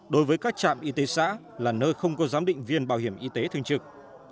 đối với các trạm y tế xã là nơi không có giám định viên bảo hiểm y tế thương trực